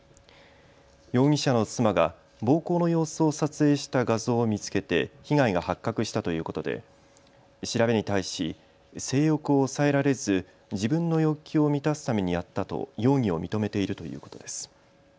容疑者の妻が暴行の様子を撮影した画像を見つけて被害が発覚したということで調べに対し、性欲を抑えられず自分の欲求を満たすためにやったと容疑を認めているということです。